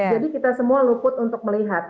jadi kita semua luput untuk melihat